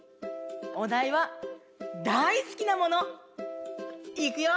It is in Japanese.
おだいは「だいすきなもの」。いくよ！